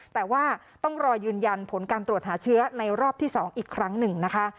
แต่ว่าต้องรอยืนยันผลการตรวจหาเชื้อในรอบที่๒อีกครั้งหนึ่งนะคะ